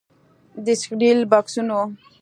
د سیریل بکسونو